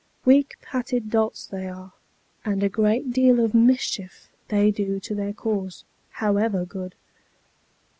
Weak pated dolts they are, and a great deal of mischief they do to their cause, however good.